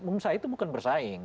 mungkin saya itu bukan bersaing